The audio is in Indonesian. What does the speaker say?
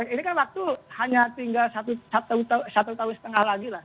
ini kan waktu hanya tinggal satu tahun setengah lagi lah